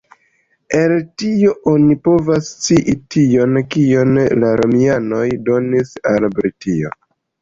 El tio oni povas scii tion, kion la Romianoj donis al Britio.